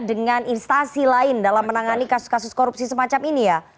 dengan instasi lain dalam menangani kasus kasus korupsi semacam ini ya